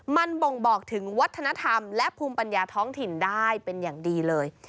มันบ่งบอกถึงวัฒนธรรมและภูมิปัญญาท้องถิ่นได้เป็นอย่างดีเลย